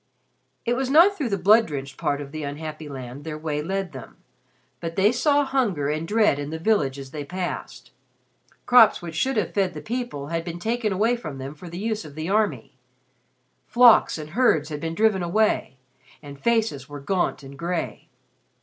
It was not through the blood drenched part of the unhappy land their way led them, but they saw hunger and dread in the villages they passed. Crops which should have fed the people had been taken from them for the use of the army; flocks and herds had been driven away, and faces were gaunt and gray.